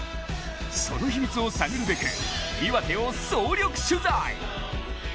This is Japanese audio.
その秘密を探るべく岩手を総力取材。